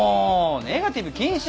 ネガティブ禁止！